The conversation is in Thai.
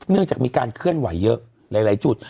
จากมีการเคลื่อนไหวเยอะหลายจุด